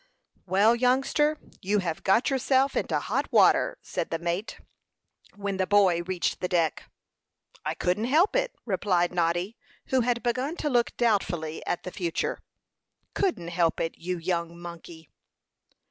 "Well, youngster, you have got yourself into hot water," said the mate, when the boy reached the deck. "I couldn't help it," replied Noddy, who had begun to look doubtfully at the future. "Couldn't help it, you young monkey!"